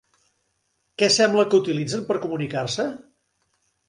Què sembla que utilitzen per comunicar-se?